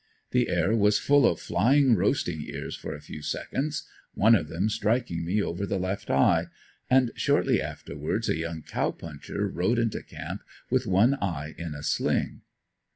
The air was full of flying roasting ears for a few seconds one of them striking me over the left eye and shortly afterwards a young Cow Puncher rode into camp with one eye in a sling.